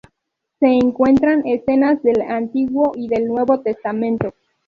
Se encuentran escenas del Antiguo y del Nuevo Testamento.